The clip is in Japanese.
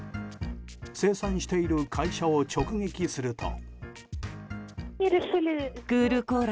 生産している会社を直撃すると。